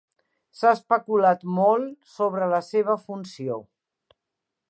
S'ha especulat molt sobre la seva funció.